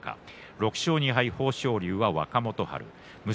６勝２敗豊昇龍が若元春です。